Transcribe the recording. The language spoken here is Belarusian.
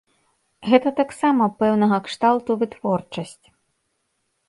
Гэта таксама пэўнага кшталту вытворчасць.